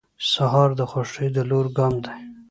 سهار د خوښۍ د لوري ګام دی.